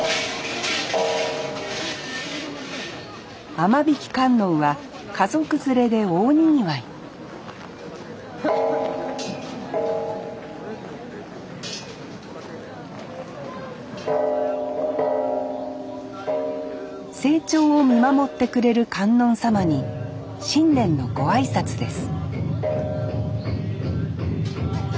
雨引観音は家族連れで大にぎわい成長を見守ってくれる観音様に新年のご挨拶です